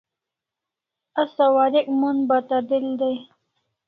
Asa warek mon bata del dai